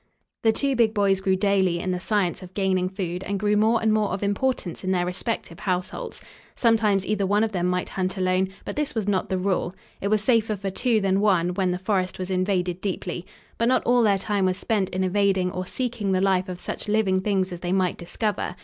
The two big boys grew daily in the science of gaining food and grew more and more of importance in their respective households. Sometimes either one of them might hunt alone, but this was not the rule. It was safer for two than one, when the forest was invaded deeply. But not all their time was spent in evading or seeking the life of such living things as they might discover.